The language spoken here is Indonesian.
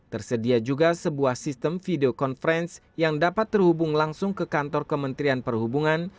tersedia juga sebuah sistem video conference yang dapat terhubung langsung ke kantor kementerian perhubungan